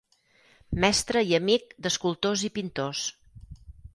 Mestre i amic d'escultors i pintors.